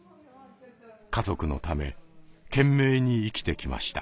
家族のため懸命に生きてきました。